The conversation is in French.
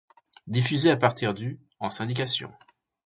Diffusée à partir du en syndication.